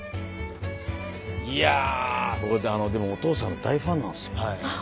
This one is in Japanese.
いや僕はお父さんの大ファンなんですよ。